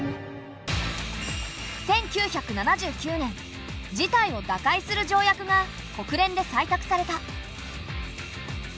１９７９年事態を打開する条約が国連で採択された。